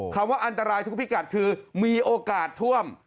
คำว่าอันตรายทุกพิกัดคือมีโอกาสท่วม